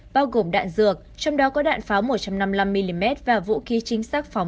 bao gồm đạn dược trong đó có đạn pháo một trăm năm mươi năm mm và vũ khí chính xác phóng